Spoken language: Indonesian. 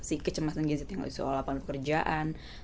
si kecemasan gen z yang ada di soal lapangan pekerjaan